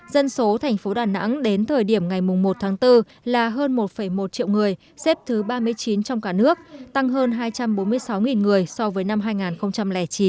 dân số thành phố đà nẵng đến thời điểm ngày một tháng bốn là hơn một một triệu người xếp thứ ba mươi chín trong cả nước tăng hơn hai trăm bốn mươi sáu người so với năm hai nghìn chín